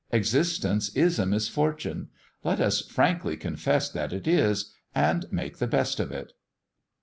Existence is a misfortune. Let us frankly confess that it is, and make the best of it."